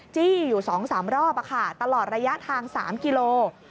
จี้อยู่๒๓รอบตลอดระยะทาง๓กิโล